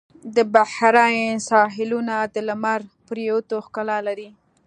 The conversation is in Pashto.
د بحرین ساحلونه د لمر پرېوتو ښکلا لري.